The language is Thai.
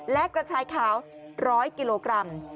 และกระชายขาว๑๐๐กิโลกรัม